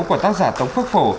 của tác giả tống phước phổ